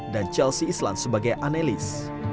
dan chelsea islan sebagai anelis